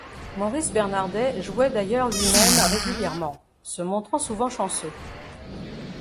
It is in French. Maurice Bernardet jouait d'ailleurs lui-même régulièrement, se montrant souvent chanceux.